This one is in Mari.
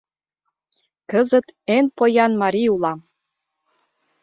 Кызыт эн поян марий улам.